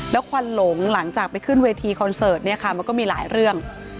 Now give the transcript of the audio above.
แล้วควันหลงหลังจากไปขึ้นเวทีคอนเสิร์ตเนี่ยค่ะมันก็มีหลายเรื่อง